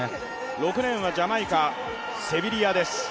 ４レーンはジャマイカ、セビリアです。